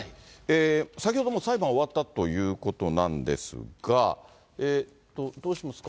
先ほど、もう裁判終わったということなんですが、どうしますか？